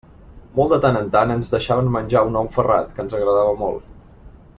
Molt de tant en tant ens deixaven menjar un ou ferrat, que ens agradava molt.